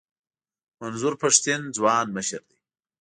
منظور پښتین ځوان مشر دی.